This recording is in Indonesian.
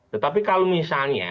tetapi kalau misalnya